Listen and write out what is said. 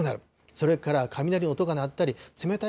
それから雷、音が鳴ったり、冷た